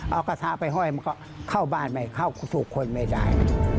เอากระทะไปห้อยมันก็เข้าบ้านไม่เข้าทุกคนไม่ได้